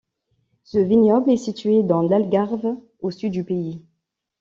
Ce vignoble est situé dans l'Algarve, au sud du pays.